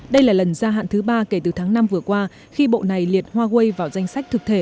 đây là lần gia hạn thứ ba kể từ tháng năm vừa qua khi bộ này liệt huawei vào danh sách thực thể